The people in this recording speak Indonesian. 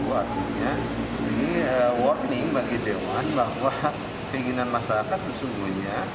itu artinya warning bagi dewan bahwa keinginan masyarakat sesungguhnya